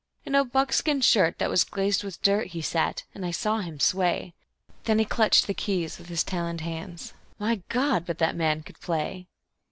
In a buckskin shirt that was glazed with dirt he sat, and I saw him sway; Then he clutched the keys with his talon hands my God! but that man could play.